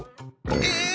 えっ！